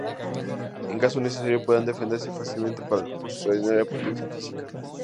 En caso necesario, podían defenderse fácilmente por su extraordinaria potencia física.